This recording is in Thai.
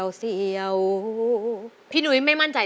แผนที่๓ที่คุณนุ้ยเลือกออกมานะครับ